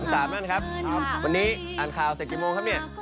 สามท่านครับวันนี้อ่านข่าวเสร็จกี่โมงครับเนี่ย